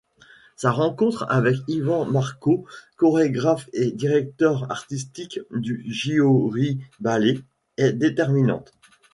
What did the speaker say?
Sa rencontre avec Iván Markó, chorégraphe et directeur artistique du Győri Ballet, est déterminante.